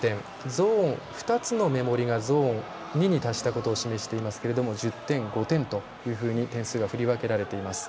ゾーン２つのメモリがゾーン２に達したことを示していますが１０点、５点というふうに点数が振り分けられています。